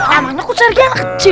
ah namanya coach sergei anak kecil